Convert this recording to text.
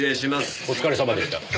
お疲れさまでした。